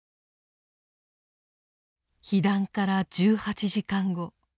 被弾から１８時間後。